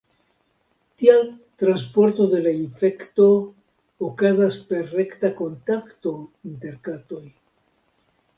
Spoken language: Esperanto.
Tial transporto de la infekto okazas per rekta kontakto inter katoj.